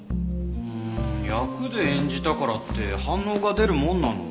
うーん役で演じたからって反応が出るもんなの？